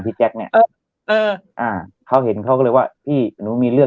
แจ๊คเนี่ยเอออ่าเขาเห็นเขาก็เลยว่าพี่หนูมีเรื่อง